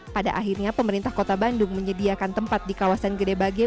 pada akhirnya pemerintah kota bandung menyediakan tempat di kawasan gede bage